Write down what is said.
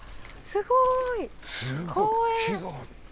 スゴい木があって。